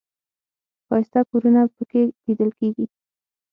ښایسته کورونه په کې لیدل کېږي.